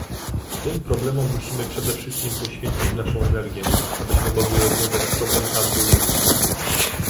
Tym problemom musimy przede wszystkim poświęcić naszą energię, abyśmy mogli rozwiązać problem handlu ludźmi